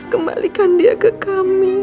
kembalikan dia ke kami